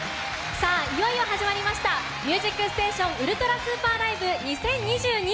いよいよ始まりました「ミュージックステーションウルトラＳＵＰＥＲＬＩＶＥ２０２２」。